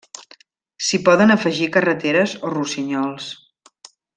S'hi poden afegir carreteres o rossinyols.